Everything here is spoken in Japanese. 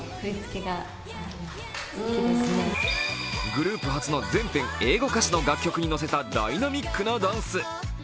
グループ初の全編英語歌詞の楽曲に乗せたダイナミックなダンス。